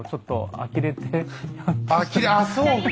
あきれああそうか。